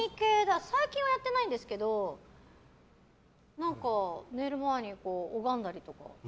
最近はやってないですけど寝る前に拝んだりとか。